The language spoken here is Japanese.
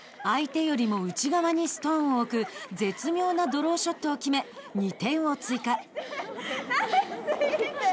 相手よりも内側にストーンを置く絶妙なドローショットを決め２点を追加。